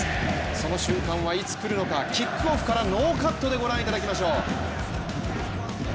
その瞬間はいつ来るのか、キックオフからノーカットでご覧いただきましょう。